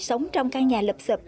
sống trong căn nhà lập sập